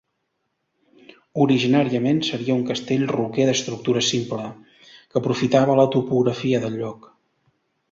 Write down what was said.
Originàriament, seria un castell roquer d'estructura simple, que aprofitava la topografia del lloc.